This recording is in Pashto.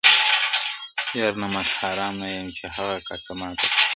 یار نمک حرام نه یم چي هغه کاسه ماته کړم